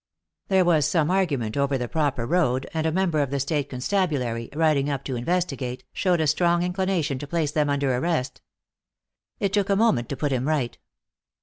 There was some argument over the proper road, and a member of the state constabulary, riding up to investigate, showed a strong inclination to place them under arrest. It took a moment to put him right.